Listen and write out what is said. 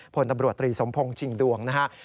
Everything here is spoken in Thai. พลตำรวจตรีสมพงศ์ชิงดวงนะครับ